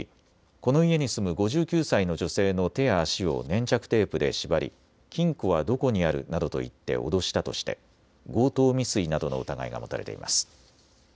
この家に住む５９歳の女性の手や足を粘着テープで縛り金庫はどこにあるなどと言って脅したとして強盗未遂などの疑いが持たれています。